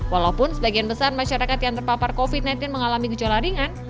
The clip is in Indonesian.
walaupun sebagian besar masyarakat yang terpapar covid sembilan belas mengalami kejala ringan